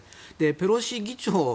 ペロシ議長